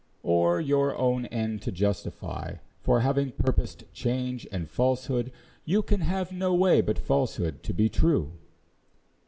Or, your own end to justify For having purposed change and falsehood, you Can have no way but falsehood to be true?